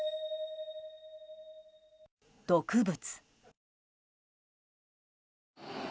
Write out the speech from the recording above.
毒物。